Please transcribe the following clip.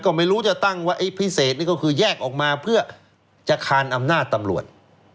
ก็ไม่รู้จะตั้งว่าไอ้พิเศษนี่ก็คือแยกออกมาเพื่อจะคานอำนาจตำรวจ